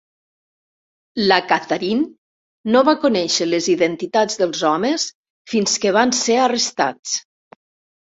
La Catharine no va conèixer les identitats dels homes fins que van ser arrestats.